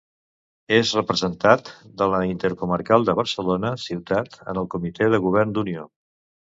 És representat de la intercomarcal de Barcelona ciutat en el comitè de govern d'Unió.